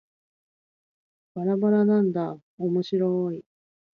ばらばらなんだーおもしろーい